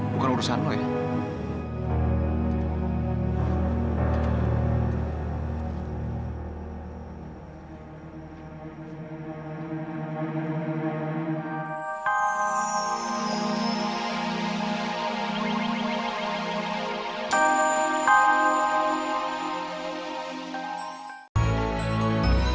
bukan urusan lu ya